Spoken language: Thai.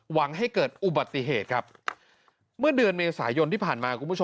หวังให้เกิดอุบัติเหตุครับเมื่อเดือนเมษายนที่ผ่านมาคุณผู้ชม